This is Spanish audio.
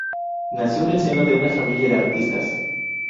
Nació en el seno de una familia de artistas.